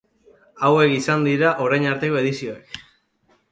Hauek izan dira orain arteko edizioak.